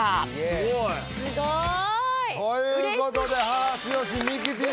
すごーい嬉しいということで母強しミキティ